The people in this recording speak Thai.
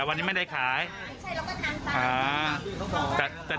ว้าง